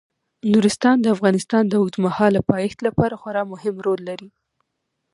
نورستان د افغانستان د اوږدمهاله پایښت لپاره خورا مهم رول لري.